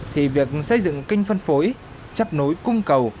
thì việc xây dựng kênh phân phối chấp nối cung cầu